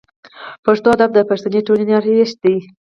پښتو ادب د پښتني ټولنې آرایش دی.